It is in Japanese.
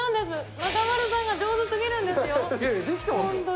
中丸さんが上手すぎるんですよ、本当に。